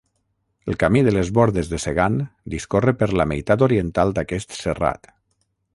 El Camí de les Bordes de Segan discorre per la meitat oriental d'aquest serrat.